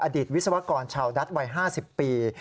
ตวิศวกรชาวดัทวัย๕๐ปี